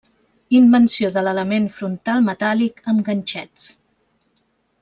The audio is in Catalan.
Invenció de l'element frontal metàl·lic amb ganxets.